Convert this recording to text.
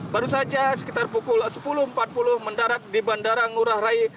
baru saja sekitar pukul sepuluh empat puluh mendarat di bandara ngurah rai